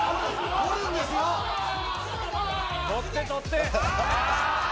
取って取って。